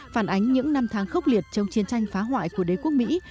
phản ánh những năm tháng khốc liệt trong chiến tranh phá hoại của đế quốc mỹ